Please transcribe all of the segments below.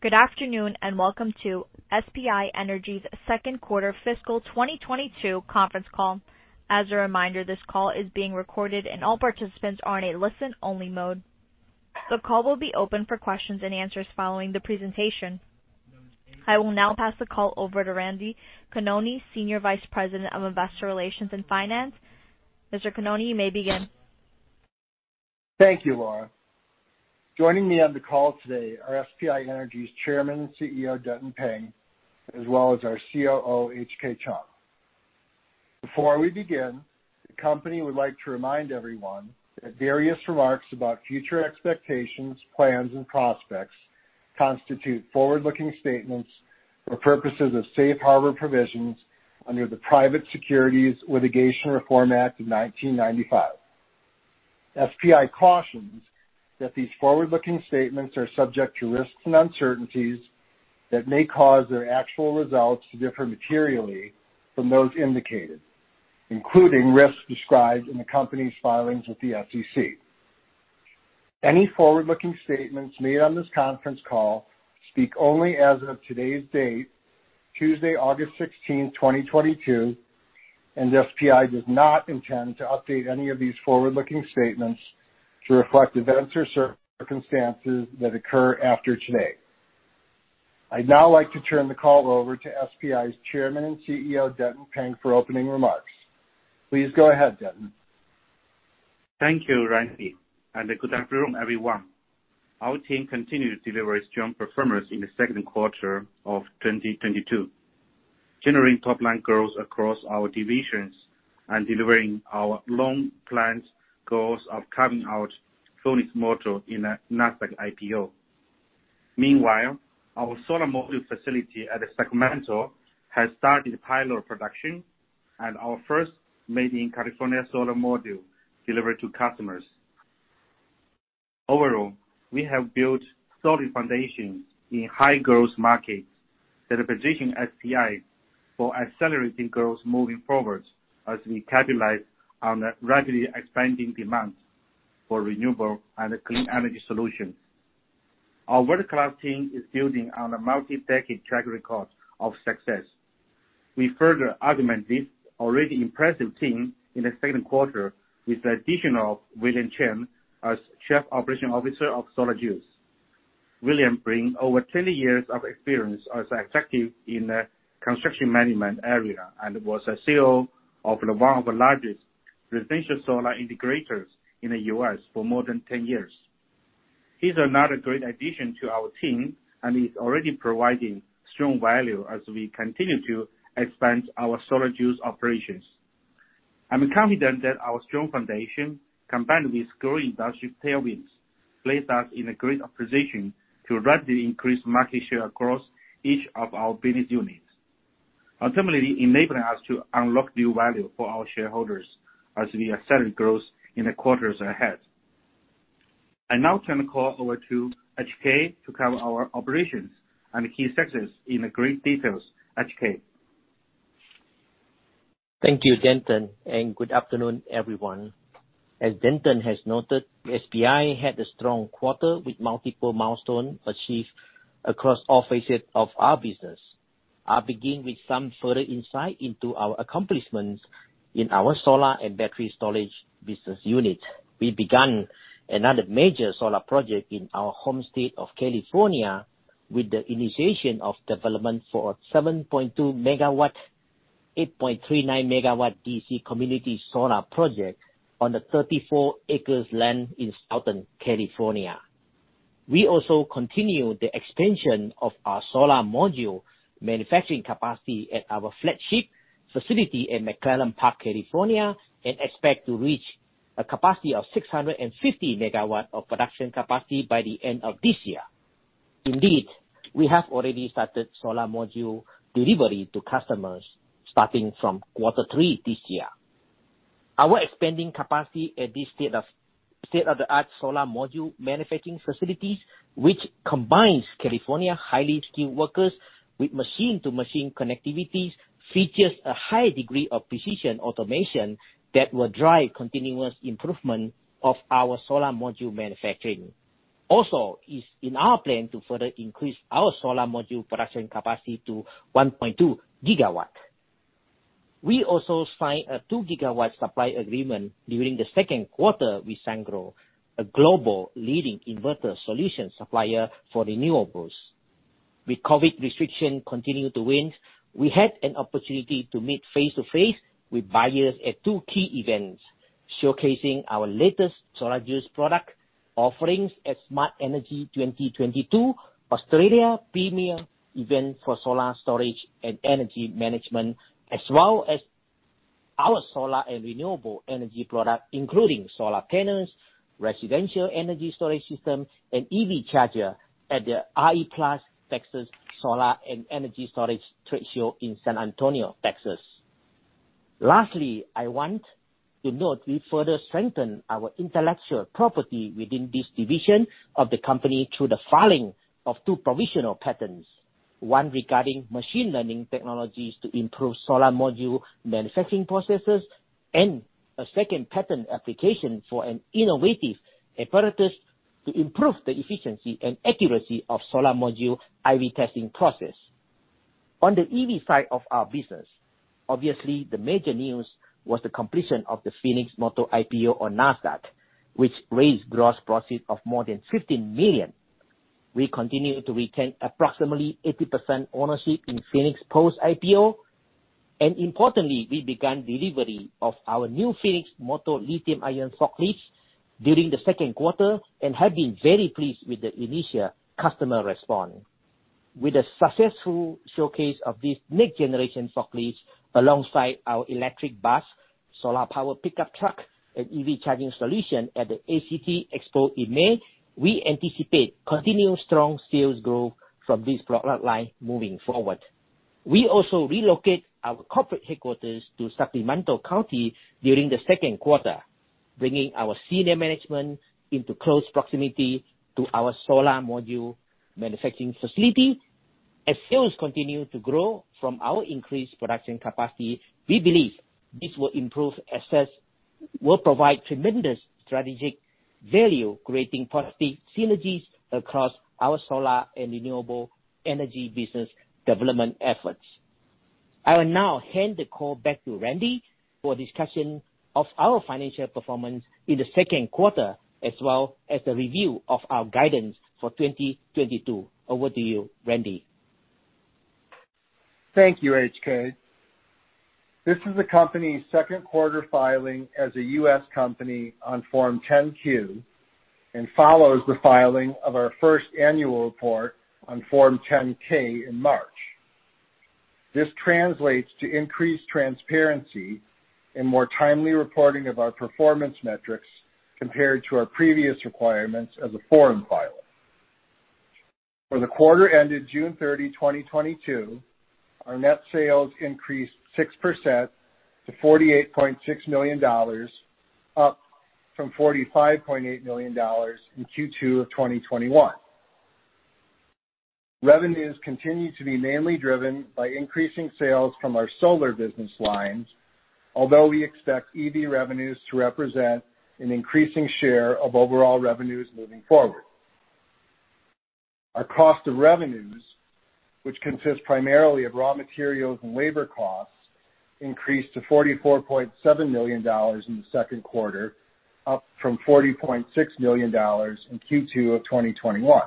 Good afternoon, and welcome to SPI Energy's Q2 fiscal 2022 conference call. As a reminder, this call is being recorded, and all participants are in a listen-only mode. The call will be open for questions and answers following the presentation. I will now pass the call over to Randy Conone, Senior Vice President of Investor Relations and Finance. Mr. Conone, you may begin. Thank you, Laura. Joining me on the call today are SPI Energy's Chairman and CEO, Denton Peng, as well as our COO, Hoong Khoeng Cheong. Before we begin, the company would like to remind everyone that various remarks about future expectations, plans, and prospects constitute forward-looking statements for purposes of safe harbor provisions under the Private Securities Litigation Reform Act of 1995. SPI cautions that these forward-looking statements are subject to risks and uncertainties that may cause their actual results to differ materially from those indicated, including risks described in the company's filings with the SEC. Any forward-looking statements made on this conference call speak only as of today's date, Tuesday, August 16th 2022, and SPI does not intend to update any of these forward-looking statements to reflect events or circumstances that occur after today. I'd now like to turn the call over to SPI's Chairman and CEO, Denton Peng, for opening remarks. Please go ahead, Denton. Thank you, Randy, and good afternoon, everyone. Our team continued to deliver its strong performance in the Q2 of 2022, generating top-line growth across our divisions and delivering our long-planned goals of carving out Phoenix Motor Inc. in a Nasdaq IPO. Meanwhile, our solar module facility at Sacramento has started pilot production, and our first made-in-California solar module delivered to customers. Overall, we have built solid foundations in high-growth markets that are positioning SPI for accelerating growth moving forward as we capitalize on the rapidly expanding demand for renewable and clean energy solutions. Our world-class team is building on a multi-decade track record of success. We further augmented this already impressive team in the Q2 with the addition of William Chen as Chief Operating Officer of SolarJuice. William brings over 20 years of experience as executive in the construction management area and was a CEO of one of the largest residential solar integrators in the U.S. for more than 10 years. He's another great addition to our team and is already providing strong value as we continue to expand our SolarJuice operations. I'm confident that our strong foundation, combined with growing industry tailwinds, place us in a great position to rapidly increase market share across each of our business units, ultimately enabling us to unlock new value for our shareholders as we accelerate growth in the quarters ahead. I now turn the call over to HK to cover our operations and key successes in great details. HK. Thank you, Denton, and good afternoon, everyone. As Denton has noted, SPI had a strong quarter with multiple milestones achieved across all facets of our business. I'll begin with some further insight into our accomplishments in our solar and battery storage business unit. We began another major solar project in our home state of California with the initiation of development for a 7.2 MW, 8.39 MW DC community solar project on the 34 acres land in Southern California. We also continue the expansion of our solar module manufacturing capacity at our flagship facility in McClellan Park, California, and expect to reach a capacity of 650 MW of production capacity by the end of this year. Indeed, we have already started solar module delivery to customers starting from Q3 this year. Our expanding capacity at this state-of-the-art solar module manufacturing facilities, which combines California's highly skilled workers with machine-to-machine connectivities, features a high degree of precision automation that will drive continuous improvement of our solar module manufacturing. Also, it's in our plan to further increase our solar module production capacity to 1.2 GW. We also signed a 2 GW supply agreement during the Q2 with Sungrow, a global leading inverter solution supplier for renewables. With COVID restriction continuing to wane, we had an opportunity to meet face-to-face with buyers at two key events, showcasing our latest SolarJuice product offerings at Smart Energy 2022, Australia's premier event for solar storage and energy management, as well as our solar and renewable energy product, including solar panels, residential energy storage system, and EV charger at the RE+ Texas Solar and Energy Storage trade show in San Antonio, Texas. Lastly, I want to note we further strengthened our intellectual property within this division of the company through the filing of two provisional patents. One regarding machine learning technologies to improve solar module manufacturing processes and a second patent application for an innovative apparatus to improve the efficiency and accuracy of solar module IV testing process. On the EV side of our business, obviously the major news was the completion of the Phoenix Motor IPO on Nasdaq, which raised gross proceeds of more than $15 million. We continue to retain approximately 80% ownership in Phoenix post IPO, and importantly, we began delivery of our new Phoenix Motor lithium-ion forklifts during the Q2 and have been very pleased with the initial customer response. With a successful showcase of this next generation forklifts alongside our electric bus, solar powered pickup truck and EV charging solution at the ACT Expo in May, we anticipate continued strong sales growth from this product line moving forward. We also relocate our corporate headquarters to Sacramento County during the Q2, bringing our senior management into close proximity to our solar module manufacturing facility. As sales continue to grow from our increased production capacity, we believe this will improve access, will provide tremendous strategic value creating positive synergies across our solar and renewable energy business development efforts. I will now hand the call back to Randy for a discussion of our financial performance in the Q2, as well as a review of our guidance for 2022. Over to you, Randy. Thank you, H.K. This is the company's Q2 filing as a U.S. company on Form 10-Q and follows the filing of our first annual report on Form 10-K in March. This translates to increased transparency and more timely reporting of our performance metrics compared to our previous requirements as a foreign filer. For the quarter ended June 30, 2022, our net sales increased 6% to $48.6 million, up from $45.8 million in Q2 of 2021. Revenues continue to be mainly driven by increasing sales from our solar business lines, although we expect EV revenues to represent an increasing share of overall revenues moving forward. Our cost of revenues, which consist primarily of raw materials and labor costs, increased to $44.7 million in the Q2, up from $40.6 million in Q2 of 2021.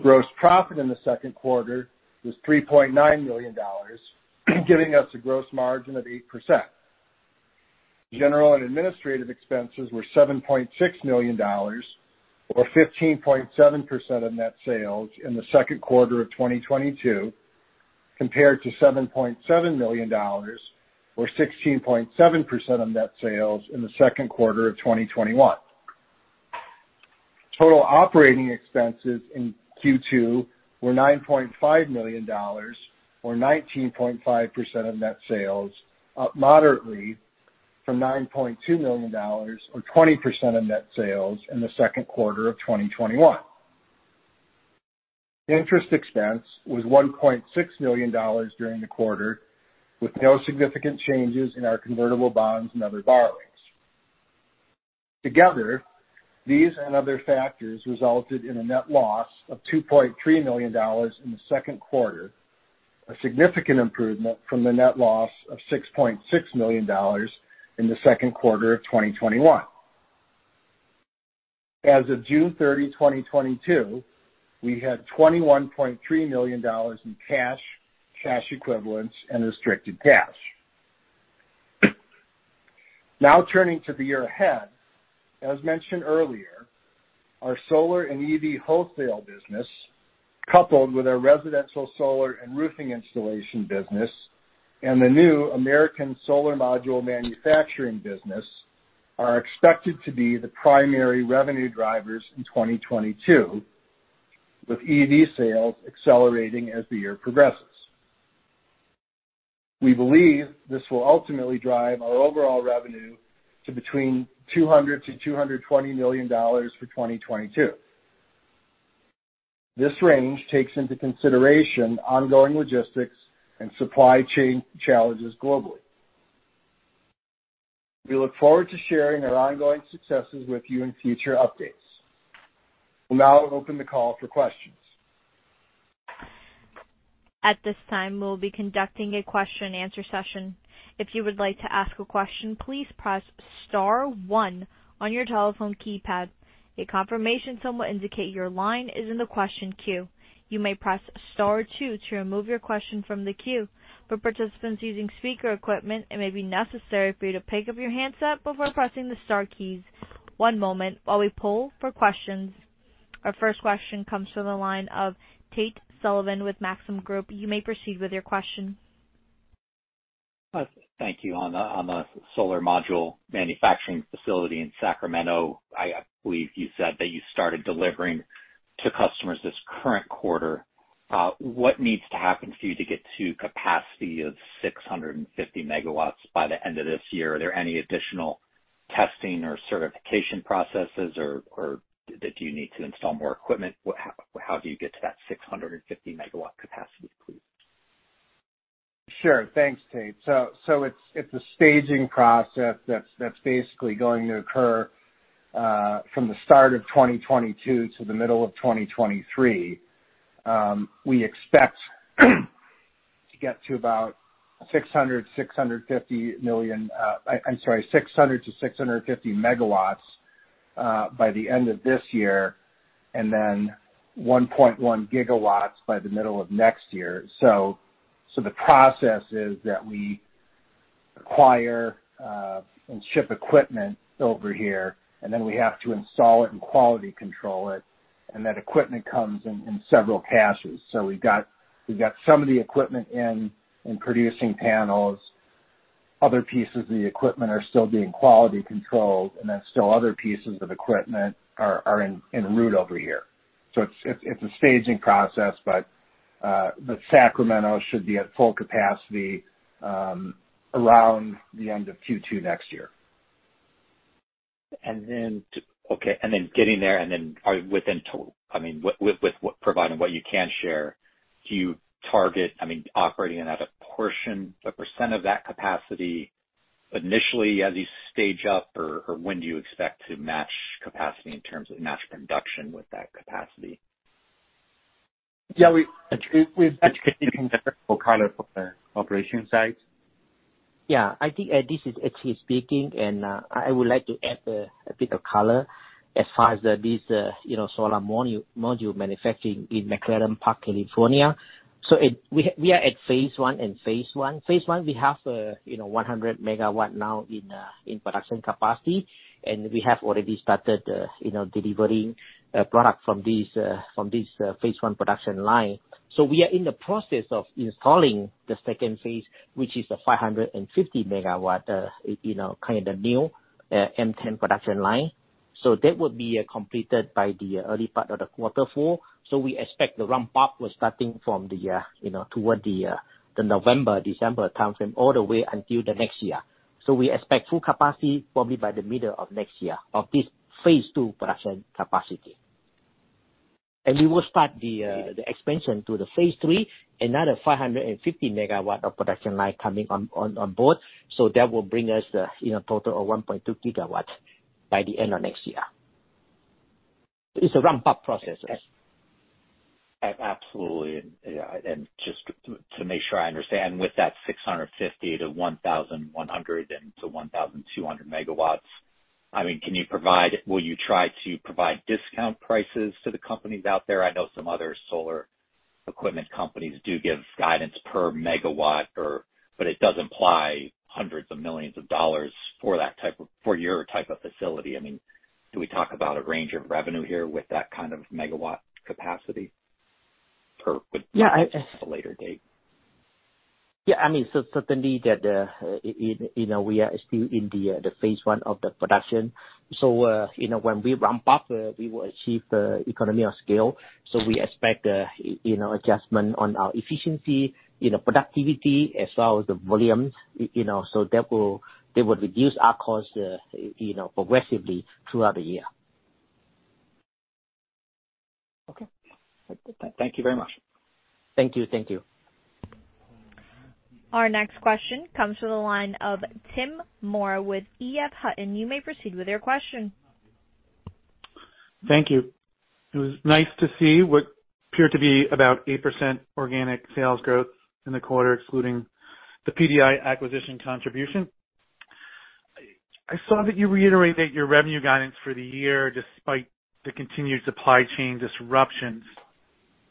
Gross profit in the Q2 was $3.9 million, giving us a gross margin of 8%. General and administrative expenses were $7.6 million or 15.7% of net sales in the Q2 of 2022, compared to $7.7 million or 16.7% of net sales in the Q2 of 2021. Total operating expenses in Q2 were $9.5 million or 19.5% of net sales, up moderately from $9.2 million or 20% of net sales in the Q2 of 2021. Interest expense was $1.6 million during the quarter, with no significant changes in our convertible bonds and other borrowings. Together, these and other factors resulted in a net loss of $2.3 million in the Q2, a significant improvement from the net loss of $6.6 million in the Q2 of 2021. As of June 30, 2022, we had $21.3 million in cash equivalents and restricted cash. Now turning to the year ahead. As mentioned earlier, our solar and EV wholesale business, coupled with our residential solar and roofing installation business and the new American solar module manufacturing business, are expected to be the primary revenue drivers in 2022, with EV sales accelerating as the year progresses. We believe this will ultimately drive our overall revenue to between $200 million-$220 million for 2022. This range takes into consideration ongoing logistics and supply chain challenges globally. We look forward to sharing our ongoing successes with you in future updates. We'll now open the call for questions. At this time, we'll be conducting a question and answer session. If you would like to ask a question, please press star one on your telephone keypad. A confirmation tone will indicate your line is in the question queue. You may press star two to remove your question from the queue. For participants using speaker equipment, it may be necessary for you to pick up your handset before pressing the star keys. One moment while we poll for questions. Our first question comes from the line of Tate Sullivan with Maxim Group. You may proceed with your question. Thank you. On the solar module manufacturing facility in Sacramento, I believe you said that you started delivering to customers this current quarter. What needs to happen for you to get to capacity of 650 MW by the end of this year? Are there any additional testing or certification processes or did you need to install more equipment? How do you get to that 650 MW capacity, please? Sure. Thanks, Tate. It's a staging process that's basically going to occur from the start of 2022 to the middle of 2023. We expect to get to about 600 to 650 MW by the end of this year, and then 1.1 GW by the middle of next year. The process is that we acquire and ship equipment over here, and then we have to install it and quality control it, and that equipment comes in several caches. We've got some of the equipment in producing panels. Other pieces of the equipment are still being quality controlled, and then still other pieces of equipment are in en route over here. It's a staging process, but Sacramento should be at full capacity around the end of Q2 next year. With providing what you can share, do you target, I mean, operating at a portion, a percent of that capacity initially as you stage up, or when do you expect to match production with that capacity? Yeah. For color for the operation side? Yeah. I think this is HT speaking, and I would like to add a bit of color as far as this you know solar module manufacturing in McClellan Park, California. We are at phase I. Phase I we have you know 100 MW now in production capacity, and we have already started you know delivering product from this phase I production line. We are in the process of installing the second phase, which is a 550 MW you know kind of new M10 production line. That would be completed by the early part of Q4. We expect the ramp up will starting from the you know toward the November, December timeframe, all the way until the next year. We expect full capacity probably by the middle of next year of this phase II production capacity. We will start the expansion to the phase III, another 550 MW of production line coming on board, so that will bring us the you know total of 1.2 GW by the end of next year. It's a ramp up processes. Absolutely. Yeah, just to make sure I understand, with that 650 to 1,100, and to 1,200 MWs, I mean, can you provide. Will you try to provide discount prices to the companies out there? I know some other solar equipment companies do give guidance per megawatt or. But it does imply hundreds of millions of dollars for that type of, for your type of facility. I mean, do we talk about a range of revenue here with that kind of megawatt capacity per. Yeah. At a later date. Yeah. I mean, certainly that you know, we are still in the phase I of the production. You know, when we ramp up, we will achieve economy of scale. We expect you know, adjustment on our efficiency, you know, productivity as well as the volumes, you know, so that will reduce our costs you know, progressively throughout the year. Okay. Thank you very much. Thank you. Thank you. Our next question comes from the line of Tim Moore with EF Hutton. You may proceed with your question. Thank you. It was nice to see what appeared to be about 8% organic sales growth in the quarter, excluding the PDI acquisition contribution. I saw that you reiterated your revenue guidance for the year despite the continued supply chain disruptions.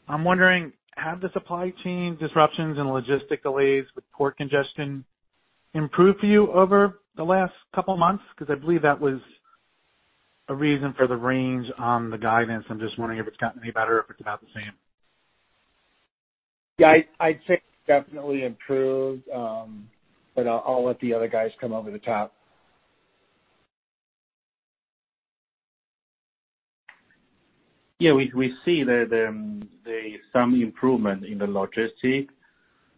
I'm wondering, have the supply chain disruptions and logistic delays with port congestion improved for you over the last couple months? 'Cause I believe that was a reason for the range on the guidance. I'm just wondering if it's gotten any better or if it's about the same. Yeah. I'd say it's definitely improved, but I'll let the other guys come over the top. Yeah. We see some improvement in the logistics,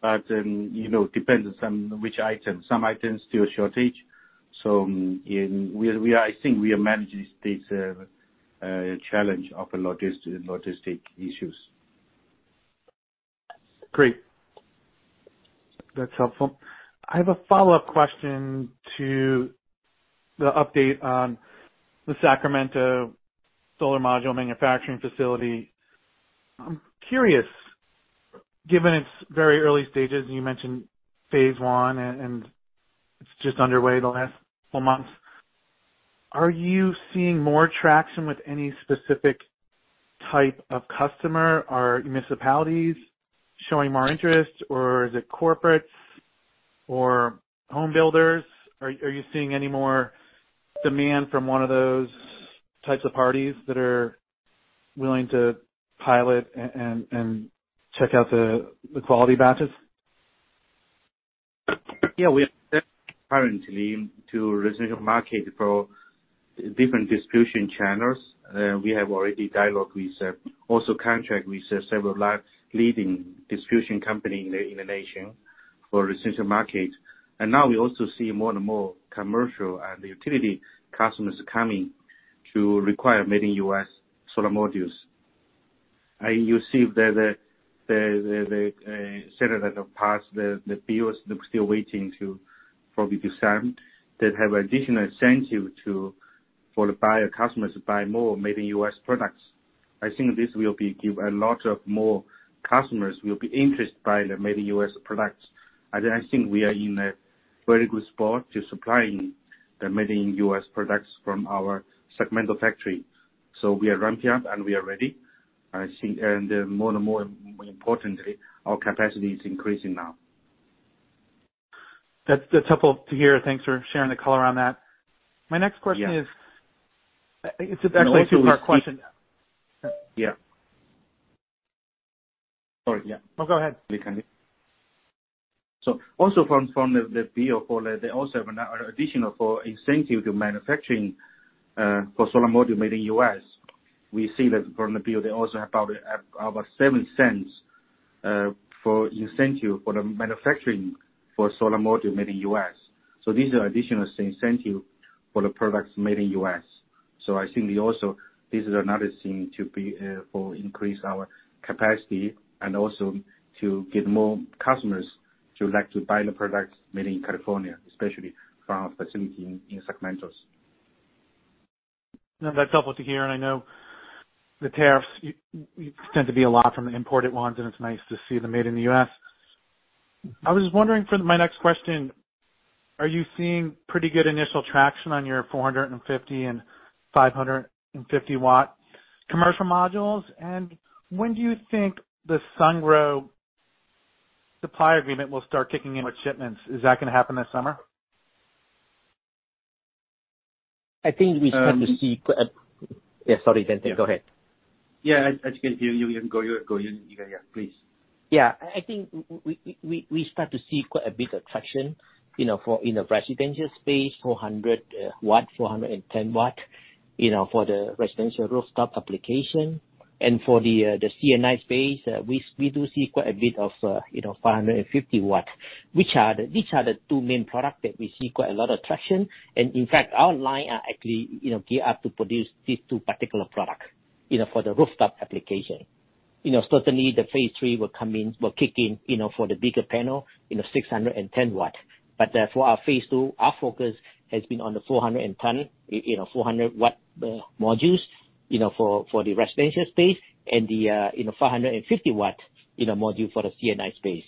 but you know, depends on which item. Some items still shortage. I think we are managing this challenge of a logistics issues. Great. That's helpful. I have a follow-up question to the update on the Sacramento solar module manufacturing facility. I'm curious, given its very early stages, and you mentioned phase I and it's just underway the last couple months, are you seeing more traction with any specific type of customer? Are municipalities showing more interest, or is it corporates or home builders? Are you seeing any more demand from one of those types of parties that are willing to pilot and check out the quality batches? Yeah. We are currently in the residential market through different distribution channels. We have already had dialogue with and also contracts with several large leading distribution companies in the nation for the residential market. Now we also see more and more commercial and utility customers coming to require made in U.S. solar modules. You see that the Senate that have passed the bills. They're still waiting to probably be signed that have additional incentive for the buyer customers to buy more made in U.S. products. I think this will give a lot more customers will be interested in the made in U.S. products. I think we are in a very good spot to supply the made in U.S. products from our Sacramento factory. We are ramped up, and we are ready, I think. More and more importantly, our capacity is increasing now. That's helpful to hear. Thanks for sharing the color on that. Yeah. My next question is. It's actually a two-part question. Yeah. Sorry, yeah. No, go ahead. From the bill, they also have an additional incentive to manufacturing for solar module made in U.S. We see that from the bill. They also have about $0.07 for incentive for the manufacturing for solar module made in U.S. These are additional incentive for the products made in U.S. I think this is another thing to increase our capacity and also to get more customers to like to buy the products made in California, especially from our facility in Sacramento. No, that's helpful to hear. I know the tariffs tend to be a lot from the imported ones, and it's nice to see them made in the U.S. I was wondering for my next question, are you seeing pretty good initial traction on your 450 and 550 watt commercial modules? When do you think the Sungrow supply agreement will start kicking in with shipments? Is that gonna happen this summer? I think we start to see. Yeah, sorry, Denton, go ahead. Yeah, as you can hear, you can go. Yeah, please. Yeah. I think we start to see quite a bit of traction, you know, for in the residential space, 400 W, 410 W, you know, for the residential rooftop application. For the C&I space, we do see quite a bit of, you know, 550 W. These are the two main product that we see quite a lot of traction. In fact, our line are actually, you know, gear up to produce these two particular products, you know, for the rooftop application. Certainly the phase III will kick in, you know, for the bigger panel, you know, 610 W. for our phase II, our focus has been on the 410, you know, 400 W modules, you know, for the residential space and the, you know, 550-watt module for the C&I space.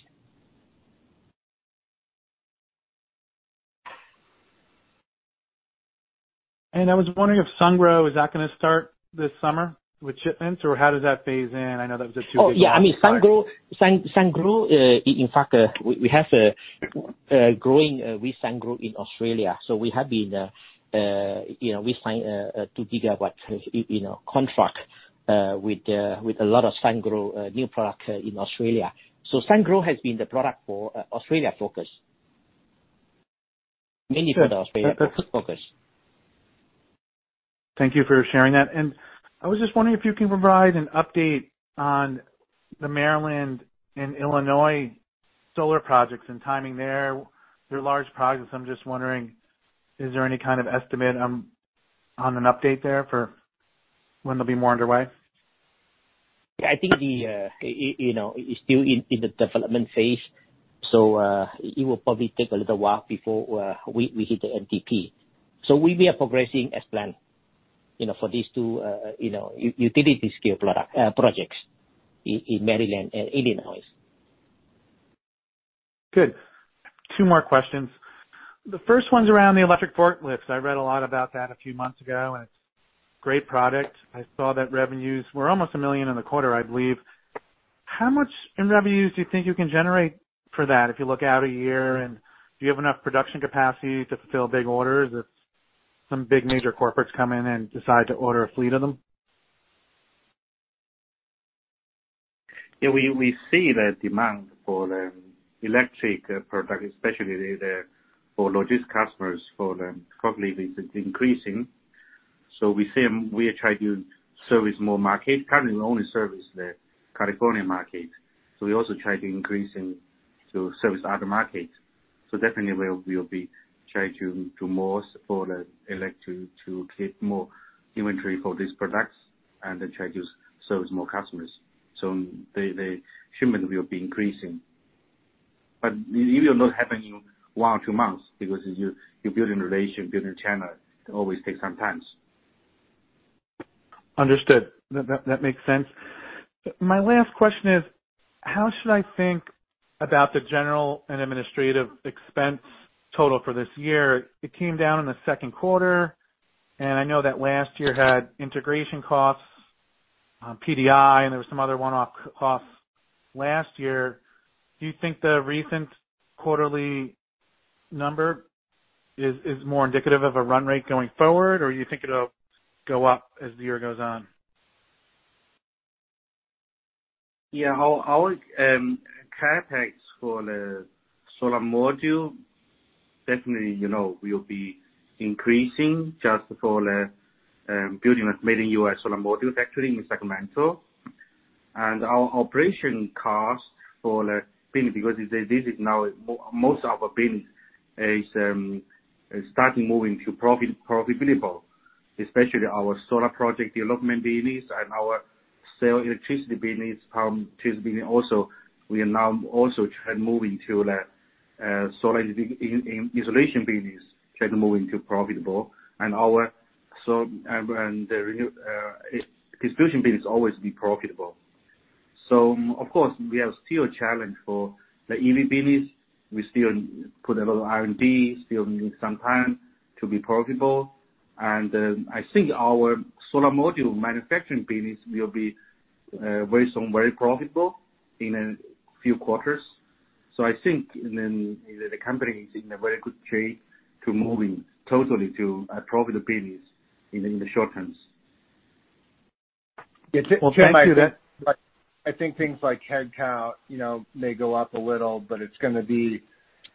I was wondering if Sungrow, is that gonna start this summer with shipments or how does that phase in? I know that was a two-part question, sorry. Oh, yeah. I mean, Sungrow. In fact, we have growing with Sungrow in Australia. We have been, you know, we sign to give you what, you know, contract with a lot of Sungrow new product in Australia. Sungrow has been the product for Australia focus. Mainly for the Australia focus. Thank you for sharing that. I was just wondering if you can provide an update on the Maryland and Illinois solar projects and timing there. They're large projects. I'm just wondering, is there any kind of estimate on an update there for when they'll be more underway? Yeah, I think, you know, it's still in the development phase, so it will probably take a little while before we hit the NTP. We are progressing as planned, you know, for these two, you know, utility-scale projects in Maryland and Illinois. Good. Two more questions. The first one's around the electric forklifts. I read a lot about that a few months ago, and it's great product. I saw that revenues were almost $1 million in the quarter, I believe. How much in revenues do you think you can generate for that if you look out a year, and do you have enough production capacity to fulfill big orders if some big major corporates come in and decide to order a fleet of them? Yeah. We see the demand for electric product, especially for logistics customers, for the company is increasing. We say we are trying to service more market. Currently, we only service the California market. We also try to increasing to service other markets. Definitely we'll be trying to more support electric to keep more inventory for these products and then try to service more customers. The shipment will be increasing. It will not happen in one or two months because you're building relation, building channel. It always takes some times. Understood. That makes sense. My last question is, how should I think about the general and administrative expense total for this year? It came down in the Q2, and I know that last year had integration costs, PDI, and there was some other one-off costs last year. Do you think the recent quarterly number is more indicative of a run rate going forward, or you think it'll go up as the year goes on? Yeah. Our CapEx for the solar module definitely, you know, will be increasing just for the building and making U.S. solar module factory in Sacramento. Our operation costs for the business, because this is now most of our business is starting moving to profitable, especially our solar project development business and our selling electricity business, power lease business also. We are now also trying moving to the solar installation business, trying to move into profitable. Our renewable distribution business always be profitable. Of course, we are still challenged for the EV business. We still put a lot of R&D, still need some time to be profitable. I think our solar module manufacturing business will be very soon, very profitable in a few quarters. I think then the company is in a very good trajectory to moving totally to a profitable business in the short term. Well, thank you. I think things like headcount, you know, may go up a little, but it's gonna be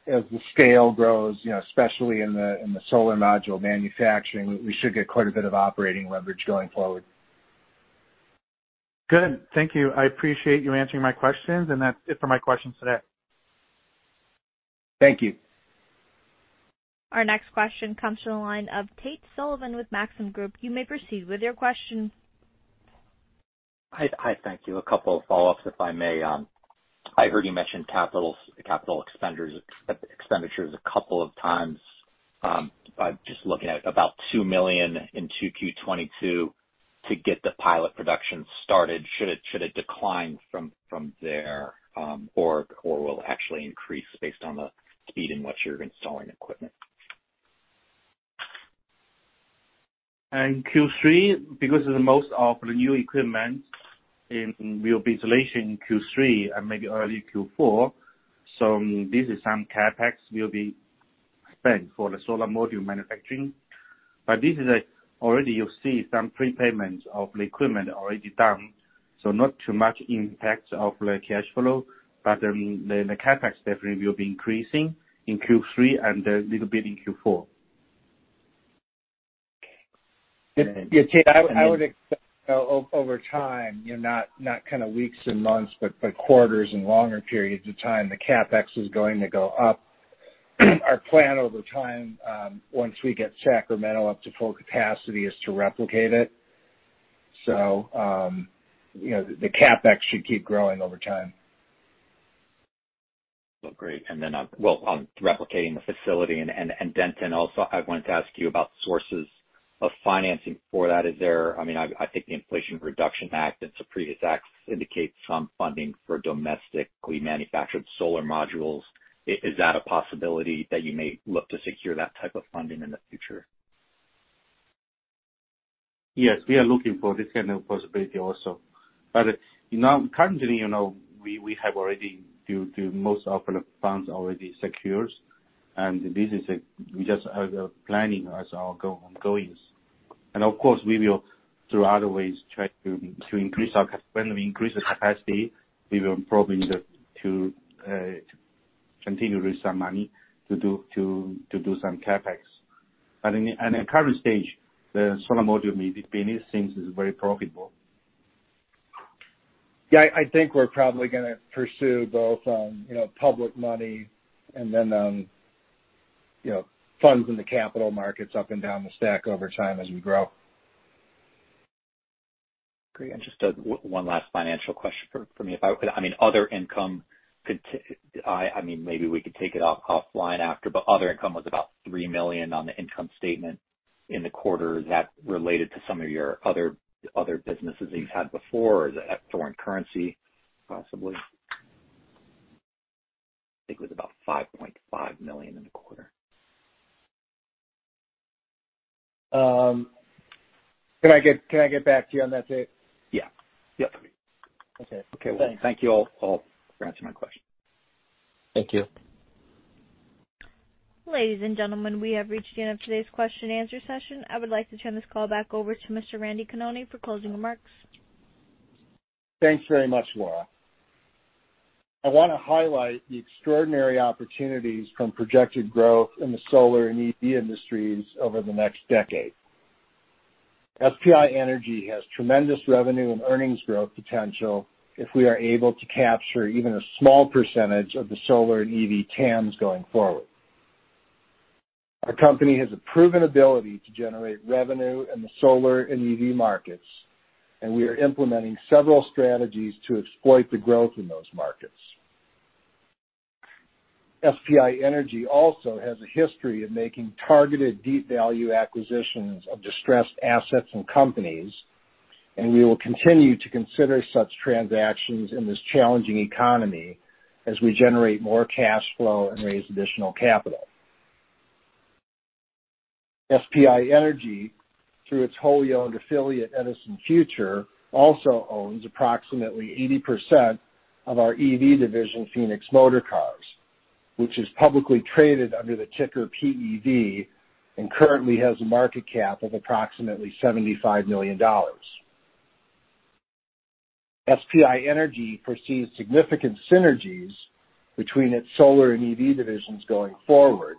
as the scale grows, you know, especially in the solar module manufacturing, we should get quite a bit of operating leverage going forward. Good. Thank you. I appreciate you answering my questions, and that's it for my questions today. Thank you. Our next question comes from the line of Tate Sullivan with Maxim Group. You may proceed with your question. Hi. Hi. Thank you. A couple of follow-ups, if I may. I heard you mention capital expenditures a couple of times. I'm just looking at about $2 million in 2Q 2022 to get the pilot production started. Should it decline from there, or will it actually increase based on the speed in which you're installing equipment? In Q3, because most of the new equipment will be installed in Q3 and maybe early Q4, so this is some CapEx will be spent for the solar module manufacturing. Already you'll see some prepayments of the equipment already done, so not too much impact on the cash flow. The CapEx definitely will be increasing in Q3 and a little bit in Q4. Yeah. Yeah, Tate, I would expect over time, you know, not kind of weeks and months, but quarters and longer periods of time, the CapEx is going to go up. Our plan over time, once we get Sacramento up to full capacity, is to replicate it. You know, the CapEx should keep growing over time. Well, great. Well, on replicating the facility and Denton Peng also, I wanted to ask you about sources of financing for that. Is there, I mean, I think the Inflation Reduction Act and some previous acts indicate some funding for domestically manufactured solar modules. Is that a possibility that you may look to secure that type of funding in the future? Yes, we are looking for this kind of possibility also. Now, currently, you know, we have already done most of the funds already secured. This is a, we just are planning as our ongoing. Of course, we will, through other ways, try to increase our cap. When we increase the capacity, we will probably need to continue to raise some money to do some CapEx. In the current stage, the solar module business seems very profitable. Yeah, I think we're probably gonna pursue both, you know, public money and then, you know, funds in the capital markets up and down the stack over time as we grow. Great. Just one last financial question for me, if I could. I mean, other income was about $3 million on the income statement in the quarter. Is that related to some of your other businesses that you've had before? Is it foreign currency, possibly? I think it was about $5.5 million in the quarter. Can I get back to you on that, Tate? Yeah. Yep. Okay. Okay. Well, thank you all for answering my questions. Thank you. Ladies and gentlemen, we have reached the end of today's question and answer session. I would like to turn this call back over to Mr. Randy Conone for closing remarks. Thanks very much, Laura. I wanna highlight the extraordinary opportunities from projected growth in the solar and EV industries over the next decade. SPI Energy has tremendous revenue and earnings growth potential if we are able to capture even a small percentage of the solar and EV TAMs going forward. Our company has a proven ability to generate revenue in the solar and EV markets, and we are implementing several strategies to exploit the growth in those markets. SPI Energy also has a history of making targeted deep value acquisitions of distressed assets and companies, and we will continue to consider such transactions in this challenging economy as we generate more cash flow and raise additional capital. SPI Energy, through its wholly owned affiliate, EdisonFuture, also owns approximately 80% of our EV division, Phoenix Motorcars, which is publicly traded under the ticker PEV and currently has a market cap of approximately $75 million. SPI Energy perceives significant synergies between its solar and EV divisions going forward,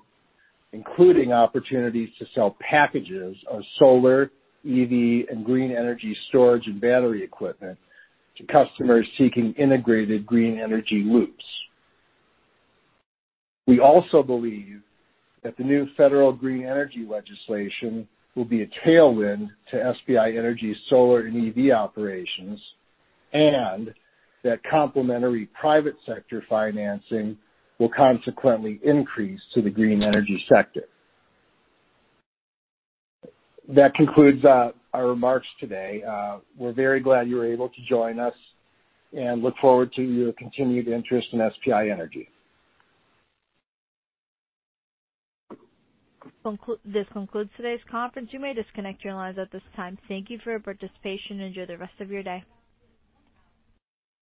including opportunities to sell packages of solar, EV, and green energy storage and battery equipment to customers seeking integrated green energy loops. We also believe that the new federal green energy legislation will be a tailwind to SPI Energy's solar and EV operations and that complementary private sector financing will consequently increase to the green energy sector. That concludes our remarks today. We're very glad you were able to join us and look forward to your continued interest in SPI Energy. This concludes today's conference. You may disconnect your lines at this time. Thank you for your participation and enjoy the rest of your day.